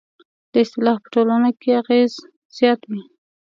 دا اصطلاح په ټولنه کې اغېز زیات و.